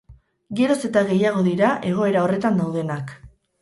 Geroz eta gehiago dira egoera horretan daudenak.